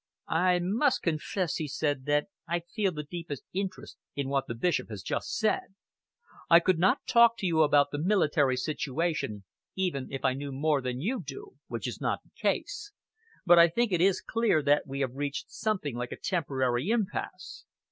"I must confess," he said, "that I feel the deepest interest in what the Bishop has just said. I could not talk to you about the military situation, even if I knew more than you do, which is not the case, but I think it is clear that we have reached something like a temporary impasse.